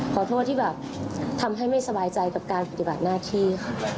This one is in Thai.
ขอโทษที่แบบทำให้ไม่สบายใจกับการปฏิบัติหน้าที่ค่ะ